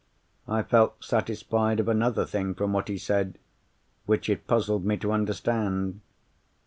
I felt satisfied of another thing, from what he said, which it puzzled me to understand.